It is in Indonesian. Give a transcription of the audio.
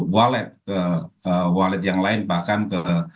wallet ke wallet yang lain bahkan ke